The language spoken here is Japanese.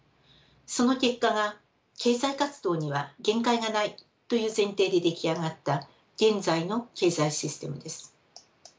その結果が経済活動には限界がないという前提で出来上がった現在の経済システムです。